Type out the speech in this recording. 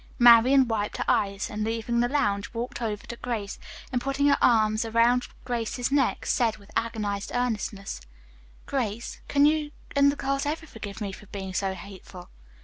Marian wiped her eyes, and, leaving the lounge, walked over to Grace, and, putting her arms about Grace's neck, said, with agonized earnestness: "Grace, can you and the girls ever forgive me for being so hateful?"